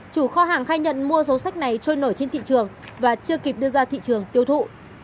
chủ kho hàng khai nhận mua số sách này trôi nổi trên thị trường và chưa kịp đưa ra thị trường tiêu thụ